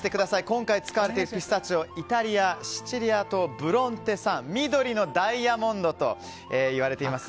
今回使われているピスタチオイタリア・シチリア島ブロンテ産緑のダイヤモンドといわれています。